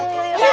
nggak usah nanya